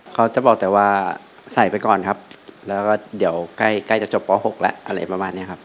เขาจะบอกแต่ว่าใส่ไปก่อนครับแล้วก็เดี๋ยวใกล้ใกล้จะจบป๖แล้วอะไรประมาณนี้ครับ